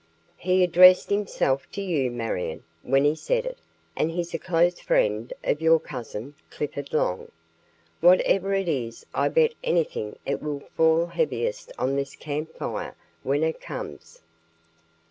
"He addressed himself to you, Marion, when he said it; and he's a close friend of your cousin, Clifford Long. Whatever it is, I bet anything it will fall heaviest on this Camp Fire when it comes."